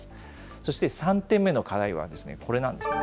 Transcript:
そして３点目の課題は、これなんですね。